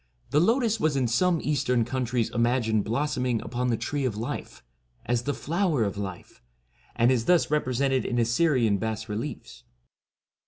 The lotus was in some Eastern countries imagined blossoming upon the Tree of Life, as the Flower of Life, and is thus represented in Assyrian bas reliefs.